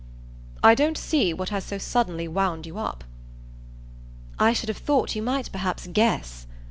"I don't see what has so suddenly wound you up." "I should have thought you might perhaps guess.